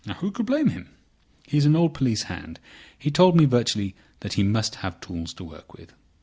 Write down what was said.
Who could blame him? He's an old police hand. He told me virtually that he must have tools to work with.